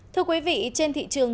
thưa quý vị trên thị trường